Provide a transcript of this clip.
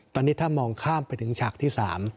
ตอนนี้ถ้ามองข้ามไปถึงฉากที่๓